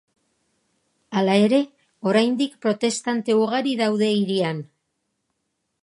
Hala ere, oraindik protestante ugari daude hirian.